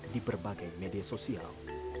di berbagai media sosial